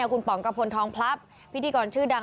คุณป๋องกระพลทองพลับพิธีกรชื่อดัง